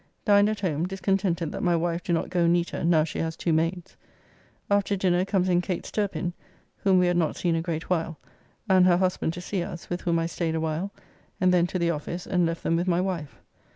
Dined at home, discontented that my wife do not go neater now she has two maids. After dinner comes in Kate Sterpin (whom we had not seen a great while) and her husband to see us, with whom I staid a while, and then to the office, and left them with my wife.